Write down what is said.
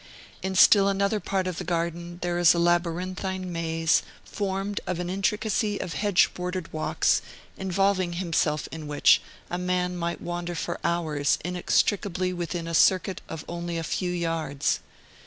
In still another part of the Garden there is a labyrinthine maze, formed of an intricacy of hedge bordered walks, involving himself in which, a man might wander for hours inextricably within a circuit of only a few yards.